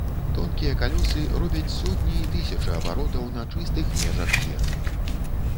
Тонкія калёсы робяць сотні і тысячы абаротаў на чыстых межах фермы.